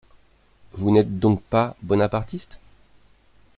Vous n’êtes donc pas bonapartiste?